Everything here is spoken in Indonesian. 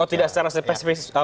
oh tidak secara spesifik ya